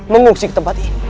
mengungsi ke tempat ini